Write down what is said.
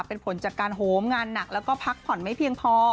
เป็นผลจากการโหมงานหนักแล้วก็พักผ่อนไม่เพียงพอ